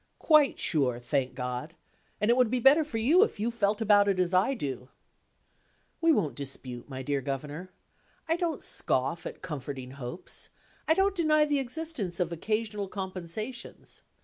"Quite sure, thank God! And it would be better for you if you felt about it as I do." "We won't dispute, my dear Governor. I don't scoff at comforting hopes; I don't deny the existence of occasional compensations.